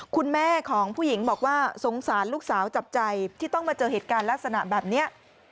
คุณแม่ของผู้หญิงบอกว่าสงสารลูกสาวจับใจที่ต้องมาเจอเหตุการณ์ลักษณะแบบนี้